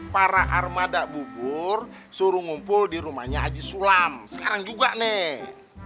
para armada bubur suruh ngumpul di rumahnya haji sulam sekarang juga nih